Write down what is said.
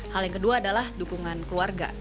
hal yang kedua adalah dukungan keluarga